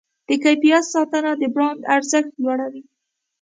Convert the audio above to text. د کیفیت ساتنه د برانډ ارزښت لوړوي.